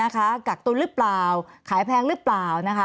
กักตัวหรือเปล่าขายแพงหรือเปล่า